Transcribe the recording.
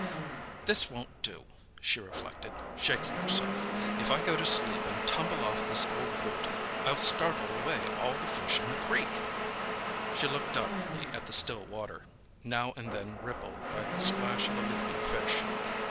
"This won't do!" she reflected, shaking herself. "If I go to sleep and tumble off this old root I'll startle away all the fish in the creek." She looked doubtfully at the still water, now and then rippled by the splash of a leaping fish.